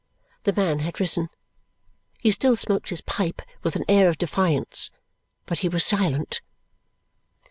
The man had risen. He still smoked his pipe with an air of defiance, but he was silent.